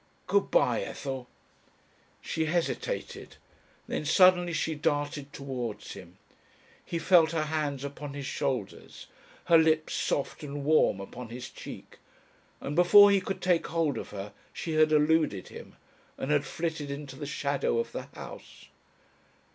"Good bye, Ethel." She hesitated. Then suddenly she darted towards him. He felt her hands upon his shoulders, her lips soft and warm upon his cheek, and before he could take hold of her she had eluded him, and had flitted into the shadow of the house.